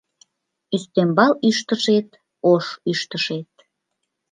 Ӱстембал ӱштышет, ош ӱштышет -